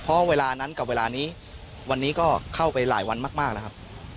เพราะเวลานั้นกับเวลานี้วันนี้ก็เข้าไปหลายวันมากแล้วครับ